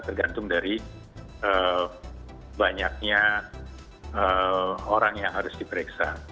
tergantung dari banyaknya orang yang harus diperiksa